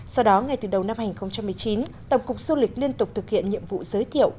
sau đó ngày từ đầu năm hành một mươi chín tổng cục du lịch liên tục thực hiện nhiệm vụ giới thiệu